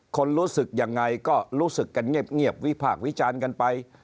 รู้สึกยังไงก็รู้สึกกันเงียบวิพากษ์วิจารณ์กันไป